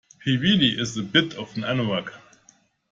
He really is a bit of an anorak